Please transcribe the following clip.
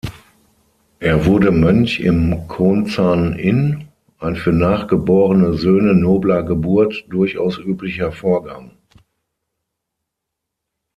Er wurde Mönch im Konzan-in, ein für nachgeborene Söhne nobler Geburt durchaus üblicher Vorgang.